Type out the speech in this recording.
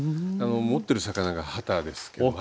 持ってる魚がハタですけども。